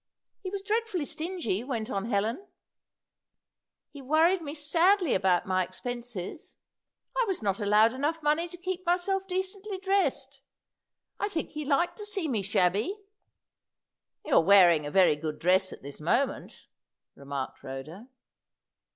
"He was dreadfully stingy," went on Helen. "He worried me sadly about my expenses. I was not allowed enough money to keep myself decently dressed. I think he liked to see me shabby." "You are wearing a very good dress at this moment," remarked Rhoda.